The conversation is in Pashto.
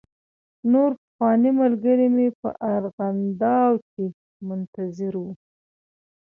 نور پخواني ملګري مې په ارغنداو کې منتظر و.